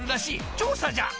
調査じゃ！